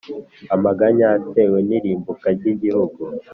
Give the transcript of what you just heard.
Amaganya atewe n’irimbuka ry’igihugu